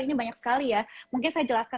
ini banyak sekali ya mungkin saya jelaskan